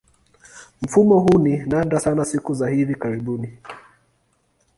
Mfumo huu ni nadra sana siku za hivi karibuni.